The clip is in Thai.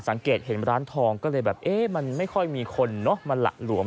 สังเกตเห็นร้านทองก็เลยแบบเอ๊ะมันไม่ค่อยมีคนเนอะมันหละหลวม